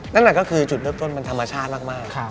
นั่นก็คือจุดเริ่มต้นมันธรรมชาติมาก